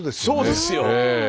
そうですよ。